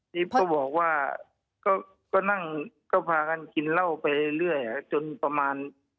ก็บอกว่าก็นั่งก็พากันกินเหล้าไปเรื่อยจนประมาณ